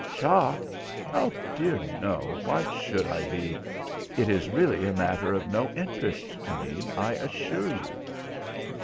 "Shocked? Oh dear, no. Why should I be? It is really a matter of no interest to me, I assure you."